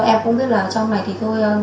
em cũng biết là trong này